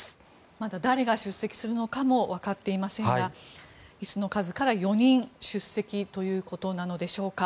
まだ誰が出席するのかも分かっていませんが椅子の数から４人出席ということなのでしょうか。